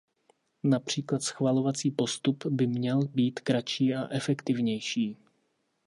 Například schvalovací postup by měl být kratší a efektivnější.